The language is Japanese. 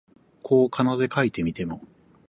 こう仮名で書いてみても、